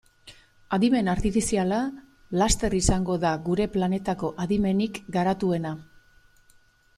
Adimen artifiziala laster izango da gure planetako adimenik garatuena.